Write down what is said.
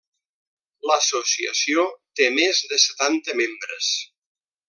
L'associació té més de setanta membres.